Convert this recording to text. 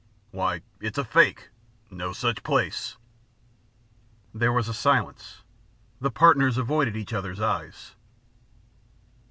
"Why, it's a fake no such place." There was a silence; the partners avoided each other's eyes.